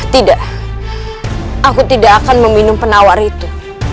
tidak aku tidak akan meminum penawar itu